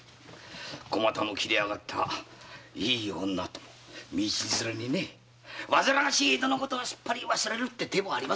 小股の切れ上がったいい女と道連れにねわずらわしい江戸はすっぱり忘れるって手もあります。